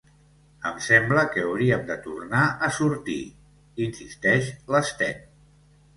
Em sembla que hauríem de tornar a sortir —insisteix l'Sten.